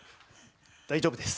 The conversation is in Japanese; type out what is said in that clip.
大丈夫です。